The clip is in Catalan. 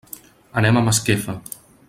Anem a Masquefa.